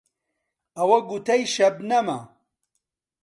ئەوە گوتەی شەبنەمە